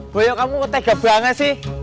boyok kamu kok tega banget sih